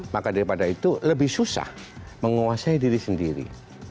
maka daripada itu lebih susah menguasai diri sendiri